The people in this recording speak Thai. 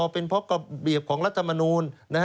เป็นเพราะระเบียบของรัฐมนูล